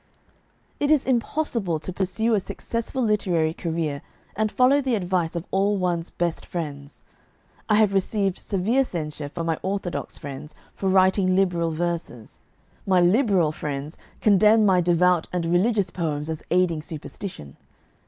It is impossible to pursue a successful literary career and follow the advice of all one's "best friends." I have received severe censure from my orthodox friends for writing liberal verses. My liberal friends condemn my devout and religious poems as "aiding superstition."